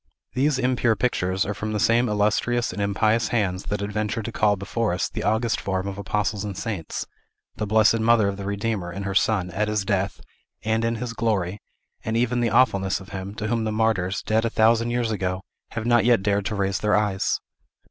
These impure pictures are from the same illustrious and impious hands that adventured to call before us the august forms of Apostles and Saints, the Blessed Mother of the Redeemer, and her Son, at his death, and in his glory, and even the awfulness of Him, to whom the martyrs, dead a thousand years ago, have not yet dared to raise their eyes.